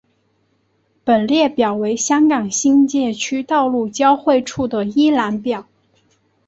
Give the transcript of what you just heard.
本列表为香港新界区道路交汇处的一览表。